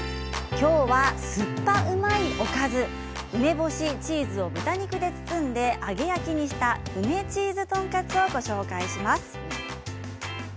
きょうはすっぱうまいおかず梅干しチーズを豚肉で包んで揚げ焼きにした梅チーズ豚カツをご紹介します。